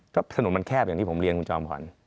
ก็ถนนมันแคบอย่างที่ผมเรียนคุณจอมขวัญ